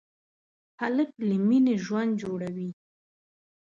هلک له مینې ژوند جوړوي.